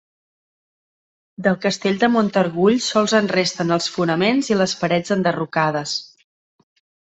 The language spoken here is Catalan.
Del Castell de Montargull sols en resten els fonaments i les parets enderrocades.